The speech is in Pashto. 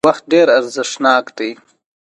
وخت ډېر ارزښتناک دی